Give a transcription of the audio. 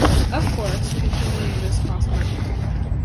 Of course, continuing this costs money.